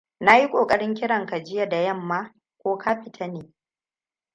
Nayi kokarin kiran ka jiya da yamma. Ko ka fita ne?